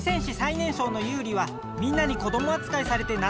ねんしょうのユウリはみんなに子どもあつかいされてなっとくいかない！